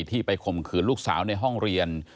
ที่ไปข่มขืนลูกสาวในห้องเรียน